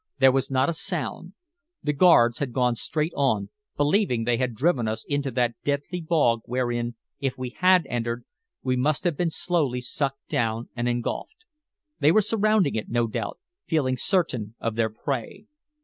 There was not a sound. The guards had gone straight on, believing they had driven us into that deadly bog wherein, if we had entered, we must have been slowly sucked down and engulfed. They were surrounding it, no doubt, feeling certain of their prey.